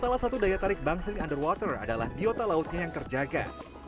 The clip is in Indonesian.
salah satu daya tarik bangseling underwater adalah biota lautnya yang terjaga